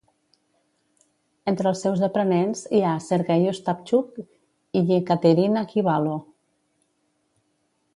Entre els seus aprenents hi ha Sergey Ostapchuk i Yekaterina Kibalo.